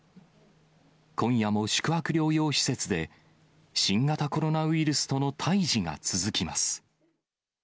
今夜も宿泊療養施設で、新型コロナウイルスとの対じが続きます。